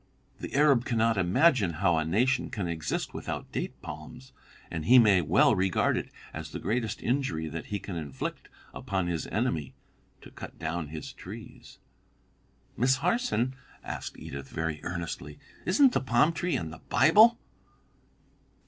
The Arab cannot imagine how a nation can exist without date palms, and he may well regard it as the greatest injury that he can inflict upon his enemy to cut down his trees." "Miss Harson," asked Edith, very earnestly, "isn't the palm tree in the Bible?"